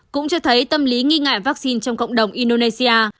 cũng cho thấy tâm lý nghi ngại vaccine trong cộng đồng indonesia